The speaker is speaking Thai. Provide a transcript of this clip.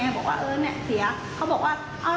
มันก็บอกว่าไม่ได้เสียปั๊มไม่ได้เสียแล้วตกลงแบบเขาเสียรึเปล่า